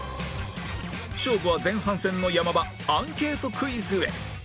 勝負は前半戦の山場アンケートクイズへ